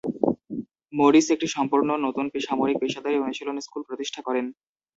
Morris একটি সম্পূর্ণ নতুন সামরিক পেশাদারী অনুশীলন স্কুল প্রতিষ্ঠা করেন।